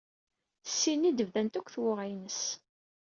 Ssyen i d-bdant akk twuɣa-ines.